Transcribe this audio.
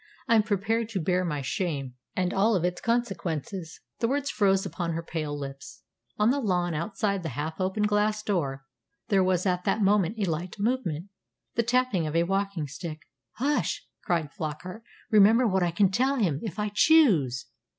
I am prepared to bear my shame and all its consequences " The words froze upon her pale lips. On the lawn outside the half open glass door there was at that moment a light movement the tapping of a walking stick! "Hush!" cried Flockart. "Remember what I can tell him if I choose!"